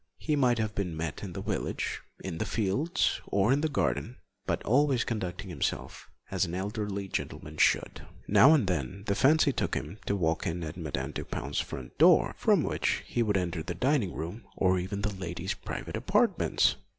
He might have been met in the village, in the fields, or in the garden, but always conducting himself as an elderly gentleman should. Now and then the fancy took him to walk in at Madame Dupin's front door, from which he would enter the dining room or even the lady's private apartments.